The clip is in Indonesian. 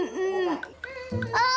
nah nah nah